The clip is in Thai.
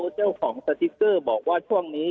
เจ้าของสติ๊กเกอร์บอกว่าช่วงนี้